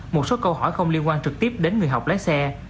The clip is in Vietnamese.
một số câu hỏi không liên quan trực tiếp đến người học lái xe